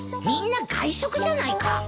みんな外食じゃないか。